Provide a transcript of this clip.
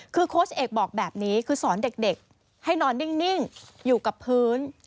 คือโค้ชเอกบอกแบบนี้คือสอนเด็กให้นอนนิ่งอยู่กับพื้น